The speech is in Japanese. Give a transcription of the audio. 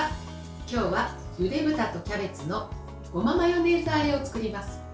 今日はゆで豚とキャベツのごまマヨネーズあえを作ります。